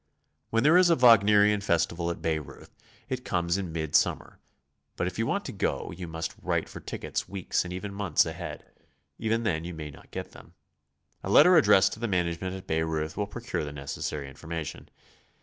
When there is a Wagnerian festival at Bayreuth, it comes in mid summer, but if you want to go you must write for tickets weeks and even months ahead; even then you may no<t get them. A letter addressed to the mianagement at Bayreuth will procure the necessary information.